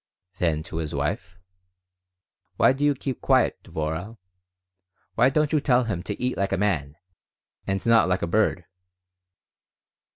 Then to his wife: "Why do you keep quiet, Dvorah? Why don't you tell him to eat like a man and not like a bird?"